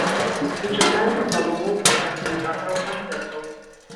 І чакаем прапановаў ад арганізатараў канцэртаў!